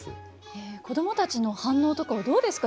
子供たちの反応とかはどうですか？